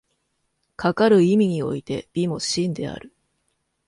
かかる意味において美も真である。